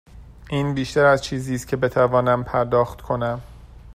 این بیشتر از چیزی است که بتوانم پرداخت کنم.